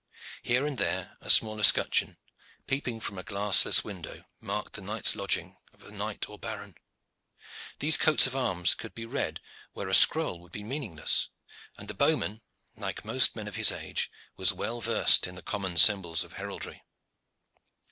Here and there a small escutcheon, peeping from a glassless window, marked the night's lodging of knight or baron. These coats of arms could be read, where a scroll would be meaningless, and the bowman, like most men of his age, was well versed in the common symbols of heraldry.